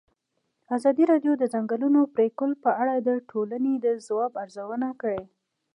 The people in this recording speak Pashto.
ازادي راډیو د د ځنګلونو پرېکول په اړه د ټولنې د ځواب ارزونه کړې.